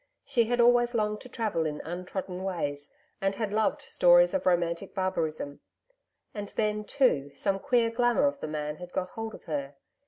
She had always longed to travel in untrodden ways, and had loved stories of romantic barbarism. And then, too, some queer glamour of the man had got hold of her.